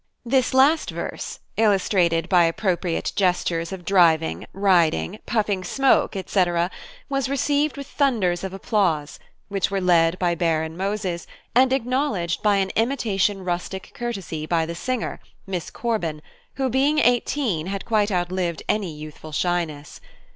This last verse, illustrated by appropriate gestures of driving, riding, puffing smoke, &c., was received with thunders of applause, which were led by Baron Moses, and acknowledged by an imitation rustic courtesy, by the singer, Miss Corban, who, being eighteen, had quite outlived any youthful shyness.